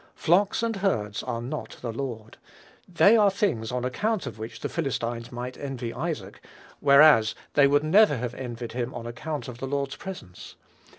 Flocks and herds are not the Lord. They are things on account of which the Philistines might envy Isaac, whereas they never would have envied him on account of the Lord's presence.